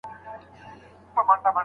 سهاد معلوم شو په لاسونو کې گړۍ نه غواړم